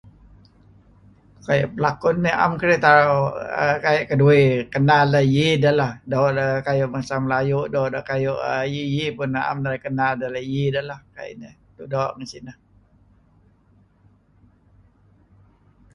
Kayu' pelakun nih na'em ketauh, err... kayu' keduih sekenan leh. Iih deh leh. Doo' deh Kayu' bangsa Melayu', doo' deh kayu' iih-iih pun naa'em narih kenal deh iih deh leh. Kayu' inen. Mutuh doo' ngen sineh.